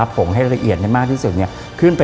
ผมให้ละเอียดมากที่สุด